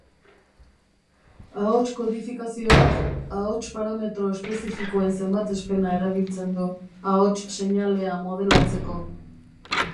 Ahots-kodifikazioak ahots-parametro espezifikoen zenbatespena erabiltzen du ahots-seinalea modelatzeko.